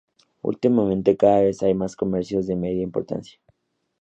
Últimamente cada vez hay más comercios de mediana importancia.